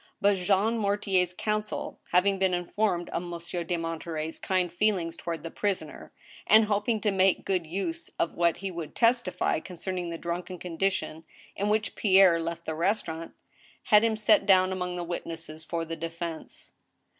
But Jean Mortier's counsel, having been informed of Monsieur de Monterey's kind feelings to ward the prisoner, and hoping to make good use of what he would testify concerning the drunken condition in which Pierre left the restaurant, had him set down among the witnesses for the de fense.